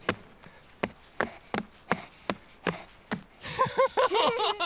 フフフフ！